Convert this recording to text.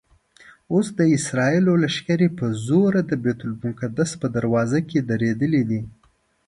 اوس د اسرائیلو لښکرې په زوره د بیت المقدس په دروازو کې درېدلي دي.